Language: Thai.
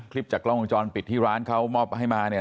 คลิปจากกล้องกองจรปิดที่ร้านเขามอบให้มา